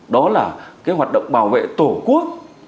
đó là cái hoạt động bảo vệ tổ quốc